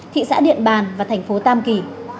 thị xã điện bàn và thành phố tam kỳ